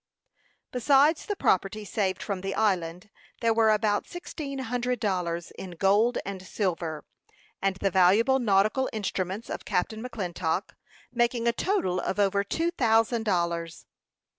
Besides the property saved from the island, there were about sixteen hundred dollars in gold and silver, and the valuable nautical instruments of Captain McClintock, making a total of over two thousand dollars.